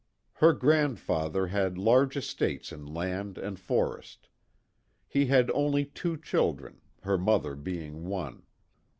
Her grandfather had large estates in land and forest. He had only two children, her mother being one.